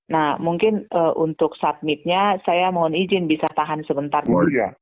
nah mungkin untuk submitnya saya mohon izin bisa tahan sebentar dulu ya